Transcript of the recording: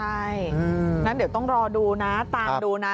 ใช่งั้นเดี๋ยวต้องรอดูนะตามดูนะ